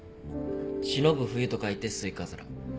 忍ぶ冬と書いてスイカズラ。